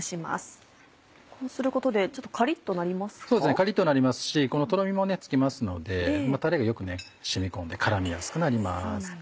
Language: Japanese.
カリっとなりますしとろみもつきますのでタレがよく染み込んで絡みやすくなります。